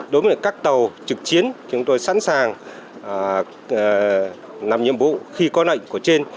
đối với các tàu trực chiến chúng tôi sẵn sàng làm nhiệm vụ khi có lệnh của trên